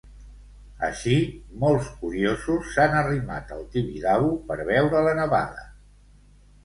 Així, molts curiosos s'han arrimat al Tibidabo per veure la nevada.